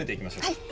はい。